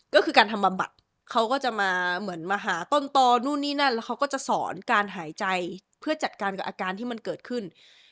ก็คือการทำบำบัดเขาก็จะมาเหมือนมาหาต้นตอนู่นนี่นั่นแล้วเขาก็จะสอนการหายใจเพื่อจัดการกับอาการที่มันเกิดขึ้น